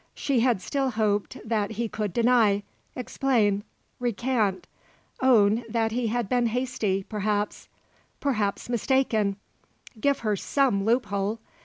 She had still hoped that he could deny, explain, recant, own that he had been hasty, perhaps; perhaps mistaken; give her some loophole.